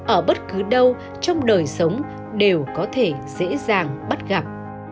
ở bất cứ đâu trong đời sống đều có thể dễ dàng bắt gặp